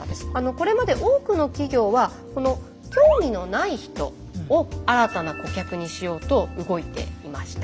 これまで多くの企業はこの興味のない人を新たな顧客にしようと動いていました。